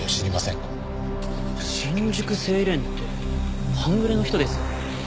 新宿セイレーンって半グレの人ですよね。